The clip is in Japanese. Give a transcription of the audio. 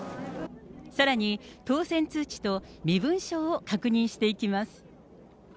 さらに当選通知と身分証を確認していきます。